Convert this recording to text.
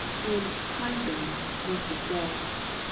In "pine barrens" most of the day.